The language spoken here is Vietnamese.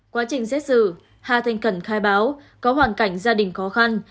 quá trình xét xử hà thanh cẩn khai báo có hoàn cảnh gia đình khó khăn